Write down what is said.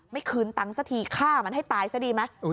คืนตังค์สักทีฆ่ามันให้ตายซะดีไหม